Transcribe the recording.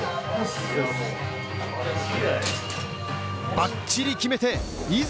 ばっちり決めていざ